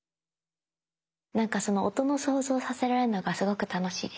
なんか音の想像をさせられるのがすごく楽しいですね。